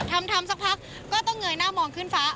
ทำทำสักพักก็ต้องเงยหน้ามองขึ้นฟ้า